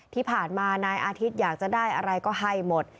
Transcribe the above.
ที่ผ่านมานายอาทิตย์อยากจะได้อะไรก็ให้หมด